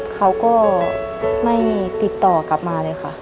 เขาก็ไม่ติดต่อกลับมาเลยค่ะ